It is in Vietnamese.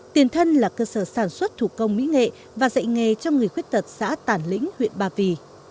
tiền thân là cơ sở sản xuất thủ công mỹ nghệ và dạy nghề cho người khuyết tật xã tản lĩnh huyện ba vì